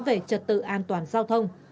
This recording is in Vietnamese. về trật tự an toàn giao thông